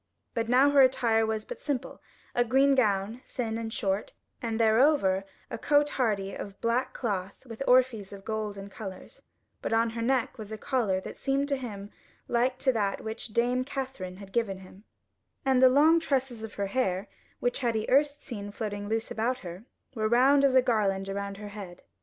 But now her attire was but simple; a green gown, thin and short, and thereover a cote hardy of black cloth with orphreys of gold and colours: but on her neck was a collar that seemed to him like to that which Dame Katherine had given him; and the long tresses of her hair, which he had erst seen floating loose about her, were wound as a garland around her head.